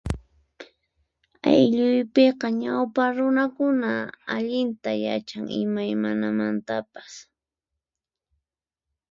Aylluypiqa, ñawpa runakuna allinta yachan imaymanamantapas.